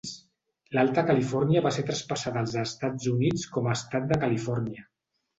L'Alta Califòrnia va ser traspassada als Estats Units com a estat de Califòrnia.